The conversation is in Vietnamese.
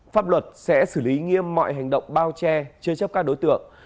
pháp luật sẽ xử lý nghiêm mọi hành động bao che chớ chấp các đối tượng